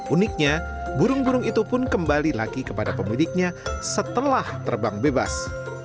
uniknya burung burung itu pun kembali lagi kepada pemiliknya setelah terbang bebas